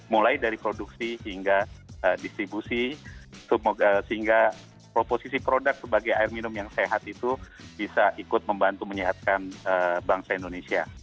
mulai dari produksi hingga distribusi sehingga proposisi produk sebagai air minum yang sehat itu bisa ikut membantu menyehatkan bangsa indonesia